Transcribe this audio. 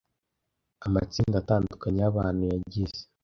amatsinda atandukanye yabantu, yagize